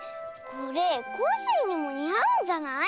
これコッシーにもにあうんじゃない？